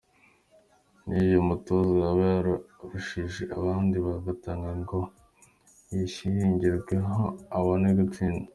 Ni iki uyu mutoza yaba yararushije abandi bahatanaga ngo gishingirweho abone gutsinda?.